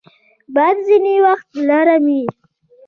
باد ځینې وخت نرم وي